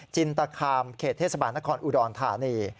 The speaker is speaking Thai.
จินตคามเขตเทศบาลนครอุดรธานี